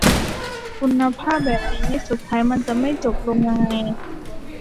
คุณภาพแบบนี้สุดท้ายมันจะไปจบลงยังไง